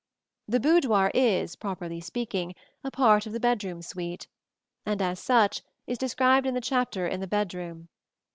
The boudoir is, properly speaking, a part of the bedroom suite, and as such is described in the chapter on the Bedroom.